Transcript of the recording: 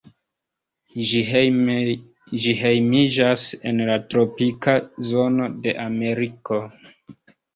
Ĝi hejmiĝas en la tropika zono de Ameriko.